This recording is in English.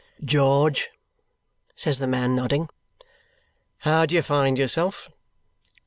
"George," says the man, nodding, "how do you find yourself?"